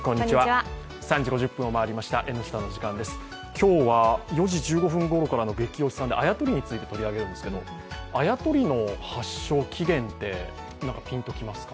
今日は４時１５分くらいの「ゲキ推し」であやとりについて取り上げるんですけどあやとりの発祥、起源ってピンときますか？